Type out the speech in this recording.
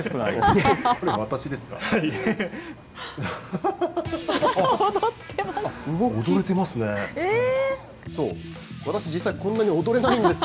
これ、私ですか？